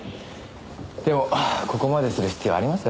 でもここまでする必要あります？